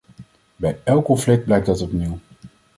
Bij elk conflict blijkt dat opnieuw.